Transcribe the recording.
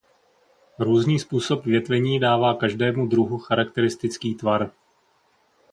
Různý způsob větvení dává každému druhu charakteristický tvar.